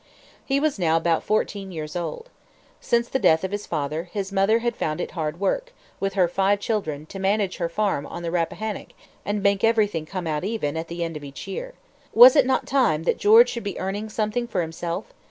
He was now about fourteen years old. Since the death of his father, his mother had found it hard work, with her five children, to manage her farm on the Rappahannock and make everything come out even at the end of each year. Was it not time that George should be earning something for himself?